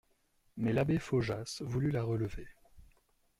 Mais l'abbé Faujas voulut la relever.